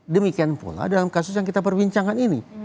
demikian pula dalam kasus yang kita perbincangkan ini